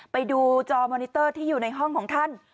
ไปดูจอมอนิเตอร์ที่อยู่ในห้องของท่าน